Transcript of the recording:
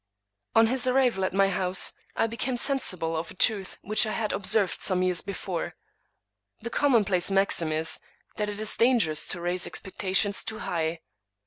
On his arrival at my house, I became sensible of a truth which I had observed some years before. The common place maxim is, that it is dangerous to raise expectations too high.